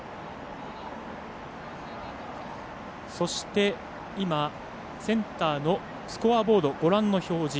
そして、今、センターのスコアボードご覧の表示。